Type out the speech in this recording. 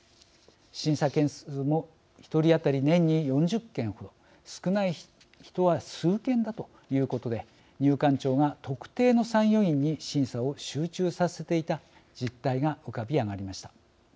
審査件数も１人当たり年に４０件程少ない人は数件だということで入管庁が特定の参与員に審査を集中させていた実態が浮かび上がりました。